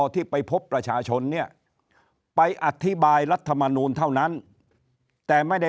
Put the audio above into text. ที่ไปพบประชาชนเนี่ยไปอธิบายรัฐมนูลเท่านั้นแต่ไม่ได้